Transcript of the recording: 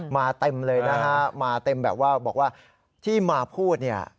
เต็มเลยนะฮะมาเต็มแบบว่าบอกว่าที่มาพูดเนี่ย